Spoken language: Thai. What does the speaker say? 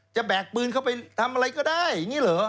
แบกปืนเข้าไปทำอะไรก็ได้อย่างนี้เหรอ